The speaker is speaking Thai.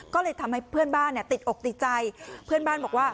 ก็เลยทำให้เพื่อนบ้านเนี่ยติดอกติดใจเพื่อนบ้านบอกว่า